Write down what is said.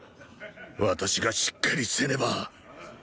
私がしっかりせねば。